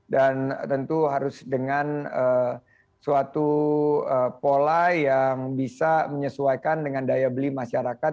dan tentu harus dengan suatu pola yang bisa menyesuaikan dengan daya beli masyarakat